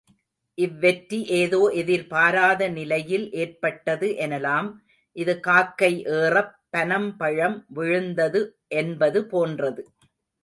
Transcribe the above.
இவ்வெற்றி ஏதோ எதிர்பாராத நிலையில் ஏற்பட்டது எனலாம். இது காக்கை ஏறப் பனம்பழம் விழுந்தது என்பது போன்றது.